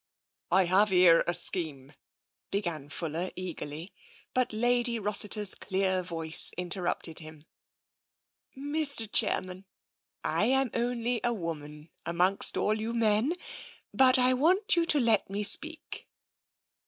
" I have here a scheme," began Fuller eagerly, but Lady Rossiter's clear voice interrupted him. " Mr. Chairman, I am only a woman, amongst all you men, but I want you to let me speak."